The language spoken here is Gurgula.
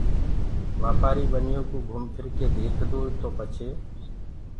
وآپآري ٻنيو ڪو گھم ڦر ڪي ديکدوئي تو پڇي